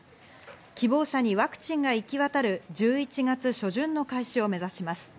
希望者にワクチンが行き渡る１１月初旬の開始を目指します。